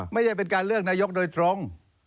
ไม่ได้เป็นการเลือกนายกโดยตรง